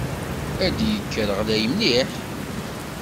Ad k-d-yekker ɣlay mliḥ.